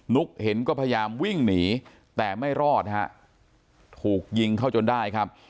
ุ๊กเห็นก็พยายามวิ่งหนีแต่ไม่รอดฮะถูกยิงเข้าจนได้ครับ